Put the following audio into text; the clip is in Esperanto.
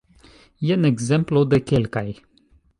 Jen ekzemplo de kelkaj.